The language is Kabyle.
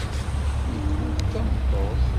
Nekk ur d tameṭṭut.